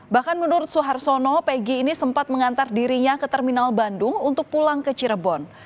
bahkan menurut suhartono pegi ini sempat mengantar dirinya ke terminal bandung untuk pulang ke cirebon